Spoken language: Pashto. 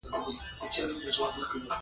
دیني تفکر نوي کول مطرح شو.